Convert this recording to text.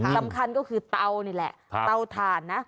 สำคัญก็คือเตานี่แหละเตาถ่านนะ